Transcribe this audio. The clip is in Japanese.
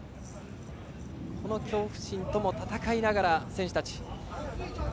この恐怖心とも戦いながら選手たち。